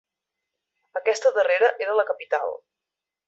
Aquesta darrera era la capital.